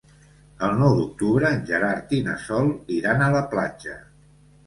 El nou d'octubre en Gerard i na Sol iran a la platja.